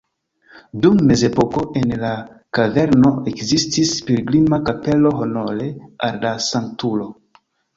Dum mezepoko en la kaverno ekzistis pilgrima kapelo honore al la sanktulo.